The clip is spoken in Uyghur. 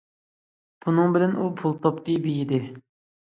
بۇنىڭ بىلەن ئۇ پۇل تاپتى، بېيىدى.